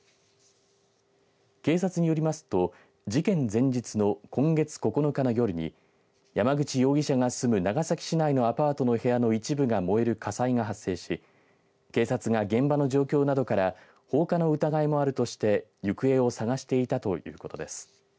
警察によりますと事件前日の今月９日の夜に山口容疑者が住む長崎市内のアパートの部屋の一部が燃える火災が発生し警察が現場の状況などから放火の疑いもあるとして行方を捜していたということです。